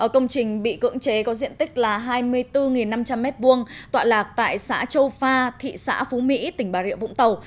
công trình bị cưỡng chế có diện tích là hai mươi bốn năm trăm linh m hai tọa lạc tại xã châu pha thị xã phú mỹ tỉnh bà rịa vũng tàu